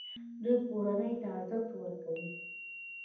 دوی کورنۍ ته ارزښت ورکوي.